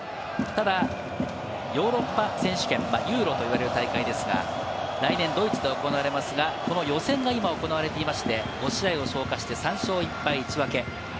ヨーロッパ選手権ユーロと言われる大会ですが、来年ドイツで行われますが、予選が今行われていて、５試合を消化して３勝１敗１分け。